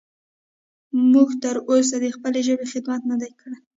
موږ تر اوسه د خپلې ژبې خدمت نه دی کړی.